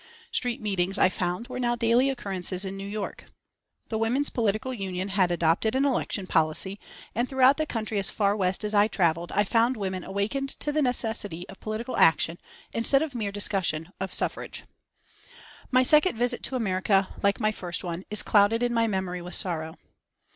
Street meetings, I found, were now daily occurrences in New York. The Women's Political Union had adopted an election policy, and throughout the country as far west as I travelled, I found women awakened to the necessity of political action instead of mere discussion of suffrage. My second visit to America, like my first one, is clouded in my memory with sorrow.